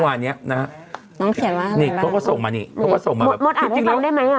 มดอาบให้ต้องได้ไหม